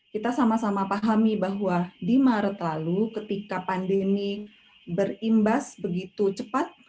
kita sama sama pahami bahwa di maret lalu ketika pandemi berimbas begitu cepat